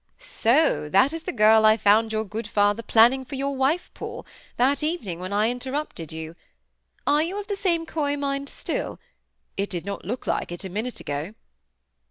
"So that is the girl I found your good father planning for your wife, Paul, that evening when I interrupted you! Are you of the same coy mind still? It did not look like it a minute ago."